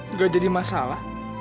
nggak jadi masalah